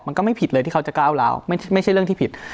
มันก็ไม่ผิดเลยที่เขาจะก้าวร้าวไม่ใช่เรื่องที่ผิด